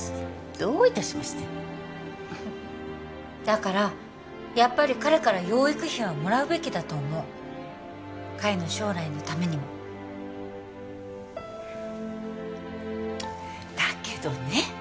どういたしましてだからやっぱり彼から養育費はもらうべきだと思う海の将来のためにもだけどね